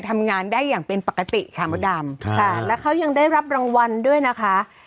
ทำงานได้อย่างเป็นปกติค่ะมดดำค่ะแล้วเขายังได้รับรางวัลด้วยนะคะ